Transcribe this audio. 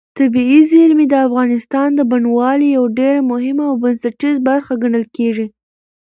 طبیعي زیرمې د افغانستان د بڼوالۍ یوه ډېره مهمه او بنسټیزه برخه ګڼل کېږي.